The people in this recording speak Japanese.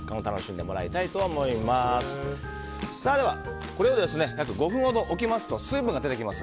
ではこれを約５分ほど置きますと水分が出てきます。